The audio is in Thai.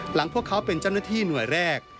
พวกเขาเป็นเจ้าหน้าที่หน่วยแรก